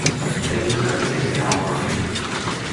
正想請教吓你